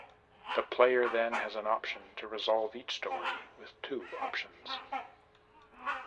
The player then has an option to resolve each story with two options.